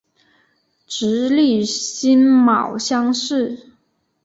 直隶辛卯乡试。